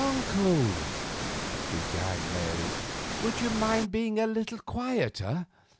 "Uncle," began Mary, "would you mind being a little quieter?